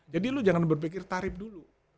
jadi lo jangan berpikir tarif dulu